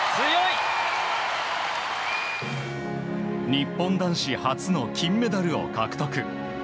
日本男子初の金メダルを獲得。